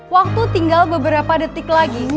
waktu tinggal beberapa detik lagi